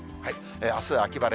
あすは秋晴れ。